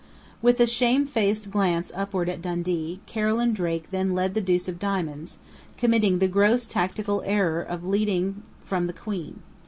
With a shamefaced glance upward at Dundee, Carolyn Drake then led the deuce of Diamonds, committing the gross tactical error of leading from the Queen.